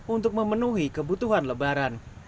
untuk memenuhi kebutuhan lebaran